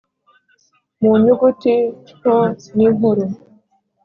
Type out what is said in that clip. mu nyuguti nto n’inkuru;